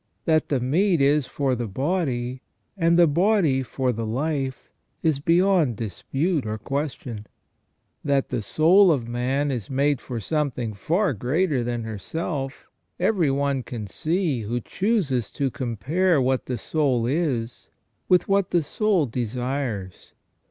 That the meat is for the body, and the body for the life, is beyond dispute or question. That the soul of man is made for something far greater than herself, every one can see who chooses to compare what the soul is with what the soul desires.